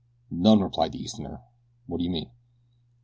"None," replied the Easterner. "What do you mean?"